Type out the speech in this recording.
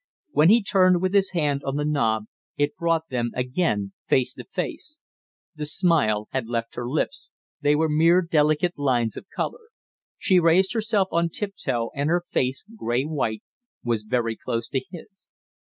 When he turned with his hand on the knob, it brought them again face to face. The smile had left her lips, they were mere delicate lines of color. She raised herself on tiptoe and her face, gray white, was very close to his.